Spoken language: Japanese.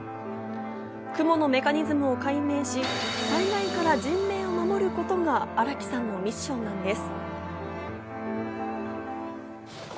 雲のメカニズムを解明し、災害から人命を守ることが荒木さんのミッションなんです。